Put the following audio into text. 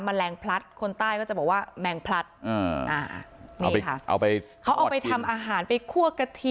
แมลงพลัดคนใต้ก็จะบอกว่าแมลงพลัดเอาไปทำอาหารไปคั่วกะทิ